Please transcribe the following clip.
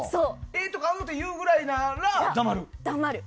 えーとか、うーとか言うぐらいなら黙る。